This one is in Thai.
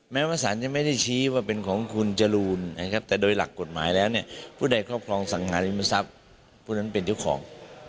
แม้ว่าสารจะไม่ได้ชี้ว่าเป็นของคุณจรูนนะครับแต่โดยหลักกฎหมายแล้วเนี่ยผู้ใดครอบครองสังหาริมทรัพย์ผู้นั้นเป็นเจ้าของ